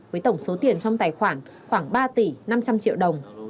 với tổng số tiền trong tài khoản khoảng ba tỷ năm trăm linh triệu đồng